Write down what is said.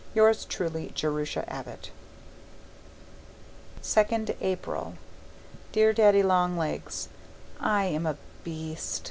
Yours truly, Jerusha Abbott 2nd April Dear Daddy Long Legs, I am a BEAST.